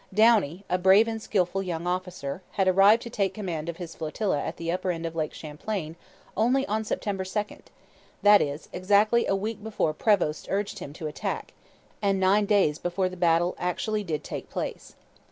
Downie, a brave and skilful young officer, had arrived to take command of his flotilla at the upper end of Lake Champlain only on September 2, that is, exactly a week before Prevost urged him to attack, and nine days before the battle actually did take place.